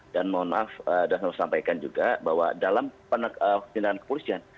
dan mohon maaf saya harus sampaikan juga bahwa dalam tindakan kepolisian